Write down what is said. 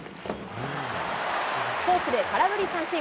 フォークで空振り三振。